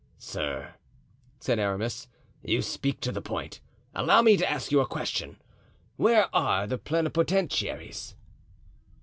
"Sir," said Aramis, "you speak to the point. Allow me to ask you a question: Where are the plenipotentiaries?"